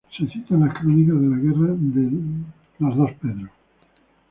Se cita en las crónicas de la guerra de los Dos Pedros.